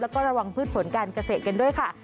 แล้วก็ระวังพืชผลการเกษตรกันด้วยค่ะ